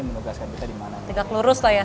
menugaskan kita dimana tingkat lurus lah ya